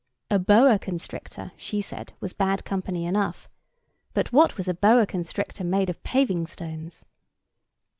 A boa constrictor, she said, was bad company enough: but what was a boa constrictor made of paving stones?